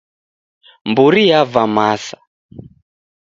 Mburi yava masa.